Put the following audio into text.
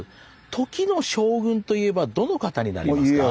時の将軍といえばどの方になりますか？